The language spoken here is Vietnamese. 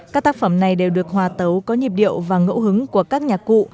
các tác phẩm này đều được hòa tấu có nhịp điệu và ngẫu hứng của các nhạc cụ